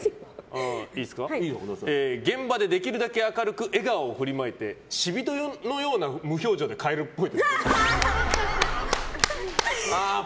現場で、できるだけ明るく笑顔を振りまいて死人のような無表情で帰るっぽい。